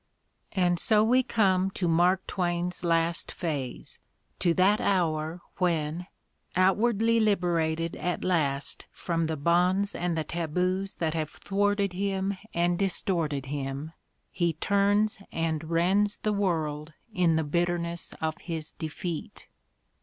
AND so we come to Mark Twain's last phase, to that hour when, outwardly liberated at last from the bonds and the taboos that have thwarted him and dis torted him, he turns and rends the world in the bitter ness of his defeat.